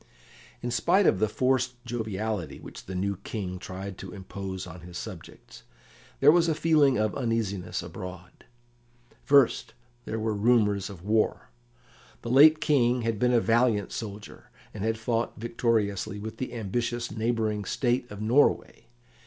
In spite of the forced joviality which the new King tried to impose on his subjects, there was a feeling of uneasiness abroad. First, there were rumours of war. The late King had been a valiant soldier, and had fought victoriously with the ambitious neighbouring State of Norway.